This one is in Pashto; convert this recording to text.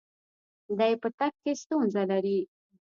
دی په تګ کې ستونزه لري.